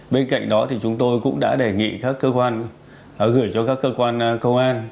bên cạnh đó thì chúng tôi cũng đã đề nghị các cơ quan gửi cho các cơ quan công an